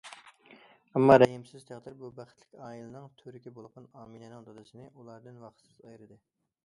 ئەمما، رەھىمسىز تەقدىر بۇ بەختلىك ئائىلىنىڭ تۈۋرۈكى بولغان ئامىنەنىڭ دادىسىنى ئۇلاردىن ۋاقىتسىز ئايرىدى.